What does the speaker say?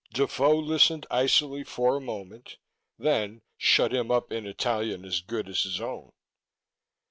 Defoe listened icily for a moment, then shut him up in Italian as good as his own.